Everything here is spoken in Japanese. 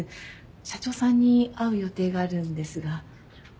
社長さんに会う予定があるんですが。